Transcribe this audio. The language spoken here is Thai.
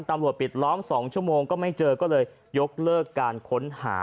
ปิดล้อม๒ชั่วโมงก็ไม่เจอก็เลยยกเลิกการค้นหา